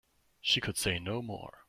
She could say no more.